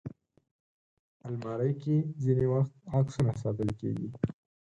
الماري کې ځینې وخت عکسونه ساتل کېږي